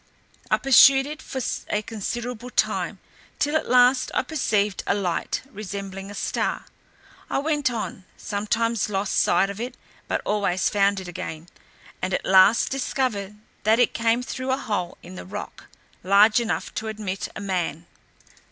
I pursued it for a considerable time, till at last I perceived a light, resembling a star; I went on, sometimes lost sight of it, but always found it again, and at last discovered that it came through a hole in the rock, large enough to admit a man.